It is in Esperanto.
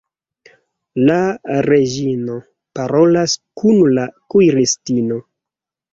La reĝino parolas kun la kuiristino.